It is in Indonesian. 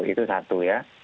itu satu ya